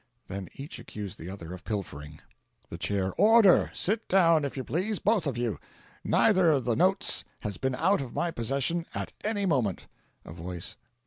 Then each accused the other of pilfering. The Chair. "Order! Sit down, if you please both of you. Neither of the notes has been out of my possession at any moment." A Voice.